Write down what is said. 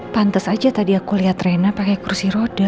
pantes aja tadi aku liat rena pake kursi roda